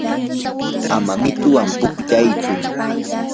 ama mituwan pukllayaychu.